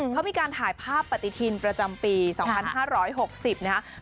เขามีการถ่ายภาพปฏิทินประจำปี๒๕๖๐นะครับ